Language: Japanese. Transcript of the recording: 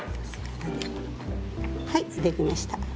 はいできました。